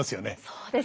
そうですね。